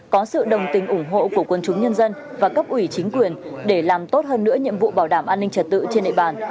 có sự đồng tình ủng hộ của quân chúng nhân dân và cấp ủy chính quyền để làm tốt hơn nữa nhiệm vụ bảo đảm an ninh trật tự trên địa bàn